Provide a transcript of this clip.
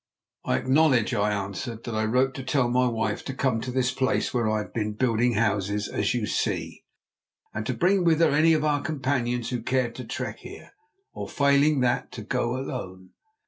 "I acknowledge," I answered, "that I wrote to tell my wife to come to this place where I had been building houses, as you see, and to bring with her any of our companions who cared to trek here, or, failing that, to go alone.